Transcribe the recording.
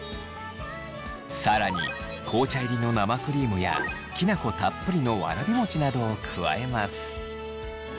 更に紅茶入りの生クリームやきな粉たっぷりのわらび餅などを加えます。